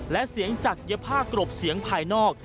และเสียงจักยภาพกรบเสียงภายนอก